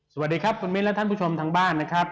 สวัสดีครับคุณมิ้นและท่านผู้ชมทางบ้านนะครับ